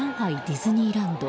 ディズニーランド。